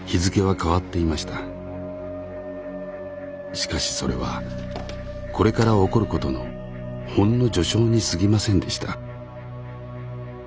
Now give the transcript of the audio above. しかしそれはこれから起こることのほんの序章にすぎませんでした。